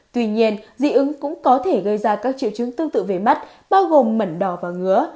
tuy nhiên dị ứng cũng có thể gây ra các triệu chứng tương tự về mắt bao gồm mẩn đỏ và ngứa